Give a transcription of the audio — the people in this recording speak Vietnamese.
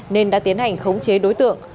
nên đã tiến hành khống chế đối tượng